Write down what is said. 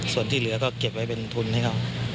ส่วนที่เหลือก็เก็บไว้เป็นทุนให้เขา